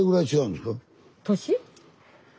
年？